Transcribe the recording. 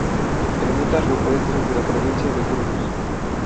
Ermitas rupestres de la provincia de Burgos